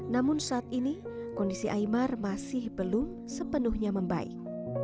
namun saat ini kondisi aymar masih belum sepenuhnya membaik